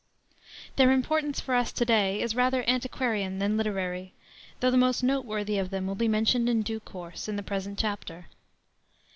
Their importance for us to day is rather antiquarian than literary, though the most noteworthy of them will be mentioned in due course in the present chapter.